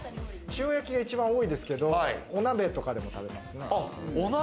塩焼きが一番多いですけど、お鍋とかでも食べますね。